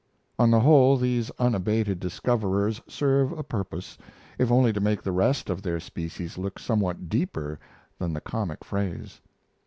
On the whole these unabated discoverers serve a purpose, if only to make the rest of their species look somewhat deeper than the comic phrase.